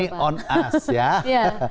ini on us ya